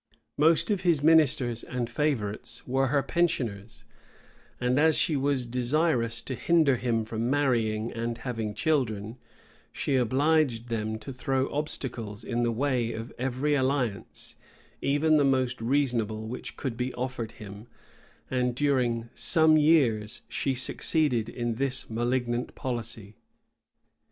Most of his ministers and favorites were her pensioners; and as she was desirous to hinder him from marrying and having children, she obliged them to throw obstacles in the way of every alliance, even the most reasonable which could be offered him; and during some years she succeeded in this malignant policy.